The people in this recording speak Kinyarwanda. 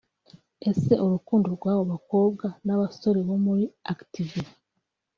Ese urukundo rw’abo bakobwa n’abasore bo muri Active